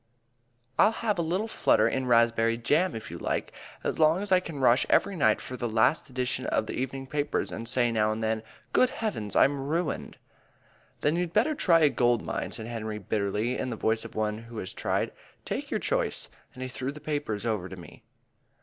"I'll have a little flutter in raspberry jam if you like. Anything as long as I can rush every night for the last edition of the evening papers and say now and then, 'Good heavens, I'm ruined!'" "Then you'd better try a gold mine," said Henry bitterly, in the voice of one who has tried. "Take your choice," and he threw the paper over to me.